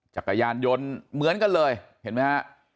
จักรยานยนต์เหมือนกันเลยเห็นไหมฮะ